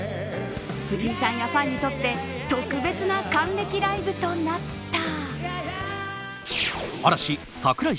藤井さんやファンにとって特別な還暦ライブとなった。